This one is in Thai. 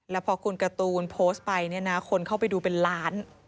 แล้วพอคุณกตูนโพสต์ไปคนเข้าไปดูเป็นล้าน